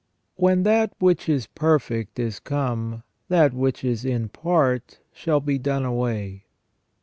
When that which is perfect is come, that which is in part shall be done away."